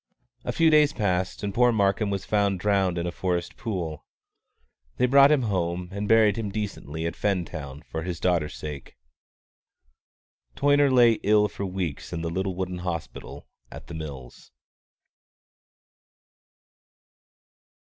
A few days passed, and poor Markham was found drowned in a forest pool. They brought him home and buried him decently at Fentown for his daughter's sake. Toyner lay ill for weeks in the little wooden hospital at The Mills.